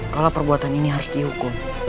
kalau perbuatan ini harus dihukum